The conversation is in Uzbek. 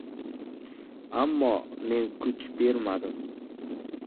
Ammo men kuch bermadim.